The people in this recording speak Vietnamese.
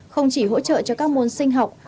không chỉ hỗ trợ cho các môn sinh học